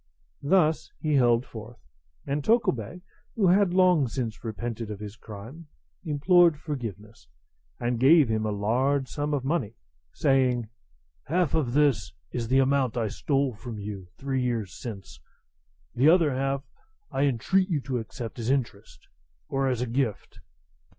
Thus he held forth; and Tokubei, who had long since repented of his crime, implored forgiveness, and gave him a large sum of money, saying, "Half of this is the amount I stole from you three years since; the other half I entreat you to accept as interest, or as a gift."